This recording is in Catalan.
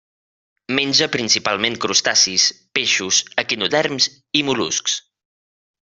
Menja principalment crustacis, peixos, equinoderms i mol·luscs.